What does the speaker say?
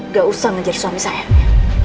gak usah ngejar suami sayangnya